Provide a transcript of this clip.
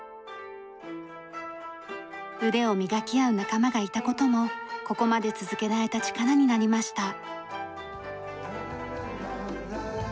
腕を磨き合う仲間がいた事もここまで続けられた力になりました。